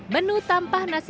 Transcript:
menu tampah nasi bali